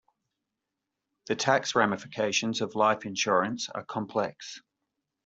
The tax ramifications of life insurance are complex.